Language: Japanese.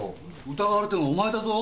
疑われてるのはお前だぞ。